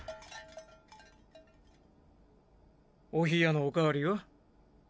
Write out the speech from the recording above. おヒヤのお代わりは？